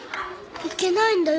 いけないんだよ